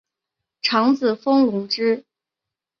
长子封隆之。